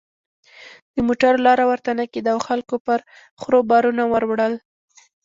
د موټر لاره ورته نه کېده او خلکو پر خرو بارونه ور وړل.